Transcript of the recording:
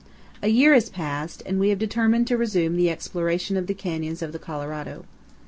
A YEAR has passed, and we have determined to resume the exploration of the canyons of the Colorado.